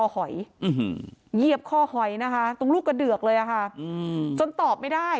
หอยเหยียบคอหอยนะคะตรงลูกกระเดือกเลยค่ะจนตอบไม่ได้